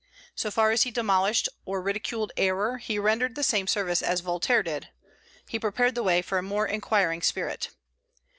So far as he demolished or ridiculed error he rendered the same service as Voltaire did: he prepared the way for a more inquiring spirit.